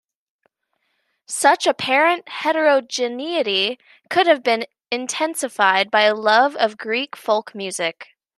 Such apparent heterogeneity could have been intensified by a love of Greek folk music.